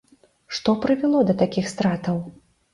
Што прывяло да такіх стратаў?